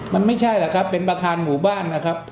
มันไม่ใช่แหละครับเป็นประธานหมู่บ้านนะครับ